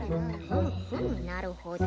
ふむふむなるほど。